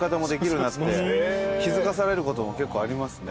気付かされることも結構ありますね。